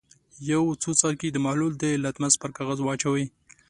یو څو څاڅکي د محلول د لتمس پر کاغذ واچوئ.